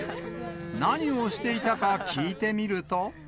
何をしていたか聞いてみると。